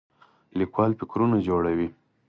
لیکوال فکرونه جوړوي